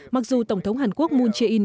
mặc dù tổng thống hàn quốc moon jae in